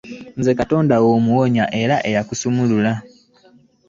Nze Katonda wo omuwonya era eya kusumulula.